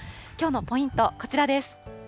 きょうのポイント、こちらです。